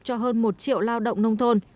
cho hơn một triệu lao động nông thôn